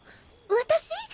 私？